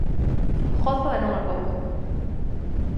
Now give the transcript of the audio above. Gozo e non acougo